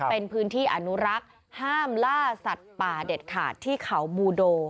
เป็นพื้นที่อนุรักษ์ห้ามล่าสัตว์ป่าเด็ดขาดที่เขาบูโด